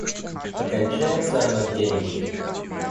А кончается она где-нибудь?